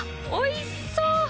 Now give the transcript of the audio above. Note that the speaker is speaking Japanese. おいしそう！